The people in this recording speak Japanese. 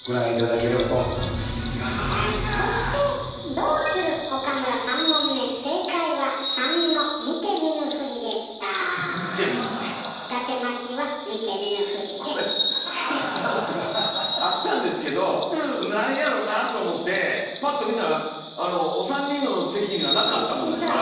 これちゃうんすよあったんですけどなんやろなと思ってパッと見たらお三人の席にはなかったもんですから。